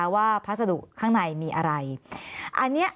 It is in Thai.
พัสดุข้างในมีอะไร